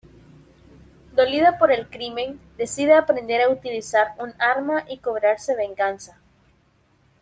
Dolida por el crimen, decide aprender a utilizar un arma y cobrarse venganza.